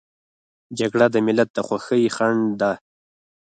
جګړه د ملت د خوښۍ خنډ ده